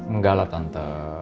enggak lah tante